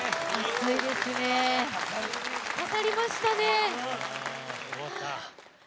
刺さりましたね。